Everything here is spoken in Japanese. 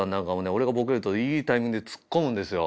俺がボケるといいタイミングでツッコむんですよ